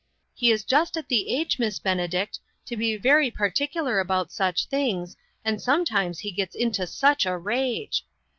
He is just at the age, Miss Benedict, to be very particular about such things, and some times he gets into such a rage.